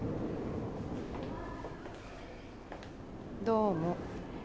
どうも。